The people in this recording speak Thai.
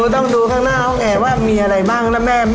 ดงดังไปถึงต่างประเทศ